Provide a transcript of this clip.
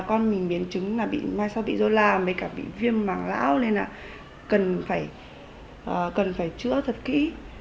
con mình biến chứng là bị mai sau bị rô la và cả bị viêm màng lão nên là cần phải cần phải chữa thật kỹ